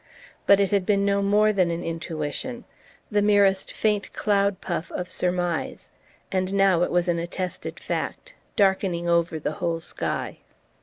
But it had been no more than an intuition, the merest faint cloud puff of surmise; and now it was an attested fact, darkening over the whole sky.